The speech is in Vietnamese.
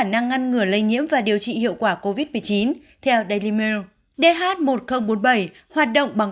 năng ngăn ngừa lây nhiễm và điều trị hiệu quả covid một mươi chín theo da limer dh một nghìn bốn mươi bảy hoạt động bằng